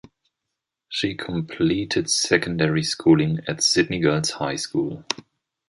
She completed secondary schooling at Sydney Girls High School.